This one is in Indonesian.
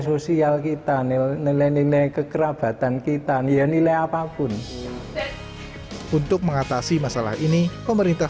sosial kita nilai nilai kekerabatan kita nilai apapun untuk mengatasi masalah ini pemerintah